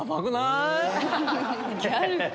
ギャルか！